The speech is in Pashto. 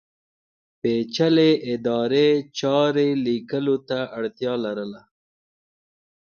پېچلې ادارې چارې لیکلو ته اړتیا لرله.